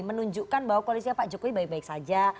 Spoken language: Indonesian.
menunjukkan bahwa koalisinya pak jokowi baik baik saja